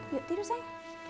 yuk tidur sayang